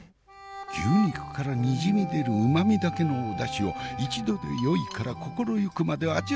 牛肉からにじみ出るうまみだけのおだしを一度でよいから心ゆくまで味わってみたい！